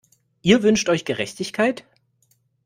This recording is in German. Ihr wünscht euch Gerechtigkeit?